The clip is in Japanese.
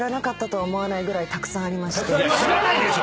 いや知らないでしょ！